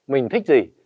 mình thích gì